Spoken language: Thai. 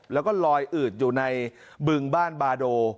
แล้วก็ลอยอืดอยู่ในบึงบ้านบาโด